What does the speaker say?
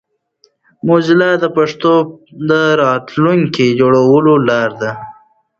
موزیلا د پښتو د راتلونکي جوړولو لاره ده.